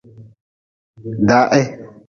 Da he.